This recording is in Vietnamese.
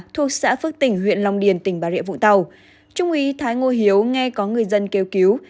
thuộc xã phước tỉnh huyện long điền tỉnh bà rịa vũng tàu trung úy thái ngô hiếu nghe có người dân kêu cứu